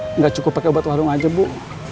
tidak cukup pakai obat warung saja bu